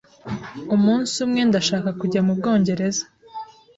Umunsi umwe ndashaka kujya mubwongereza.